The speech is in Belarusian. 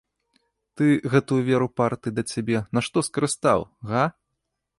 Ты гэтую веру партыі да цябе на што скарыстаў, га?